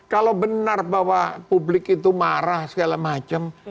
kalau benar bahwa publik itu marah segala macam